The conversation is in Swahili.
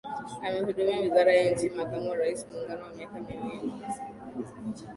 Amehudumia wizara ya nchi makamu wa Rais na muungano kwa miaka miwili